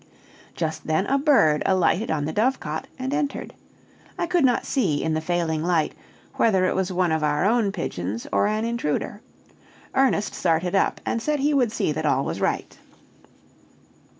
Just then a bird alighted on the dovecot, and entered. I could not see, in the failing light, whether it was one of our own pigeons or an intruder. Ernest started up, and said he would see that all was right.